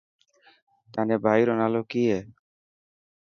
تانجي ڀائي رو نالو ڪي هي.